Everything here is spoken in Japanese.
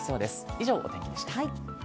以上、お天気でした。